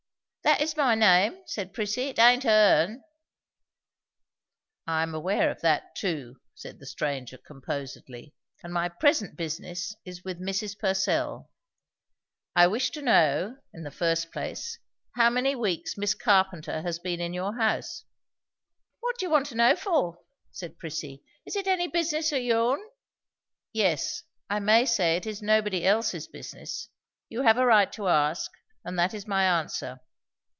"That is my name," said Prissy. "It aint her'n." "I am aware of that too," said the stranger composedly, "and my present business is with Mrs. Purcell. I wish to know, in the first place, how many weeks Miss Carpenter has been in your house?" "What do you want to know for?" said Prissy. "Is it any business o' yourn?" "Yes. I may say it is nobody else's business. You have a right to ask; and that is my answer."